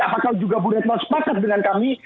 apakah juga bu retno sepakat dengan kami